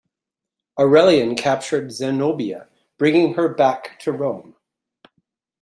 Aurelian captured Zenobia, bringing her back to Rome.